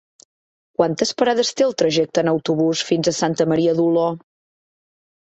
Quantes parades té el trajecte en autobús fins a Santa Maria d'Oló?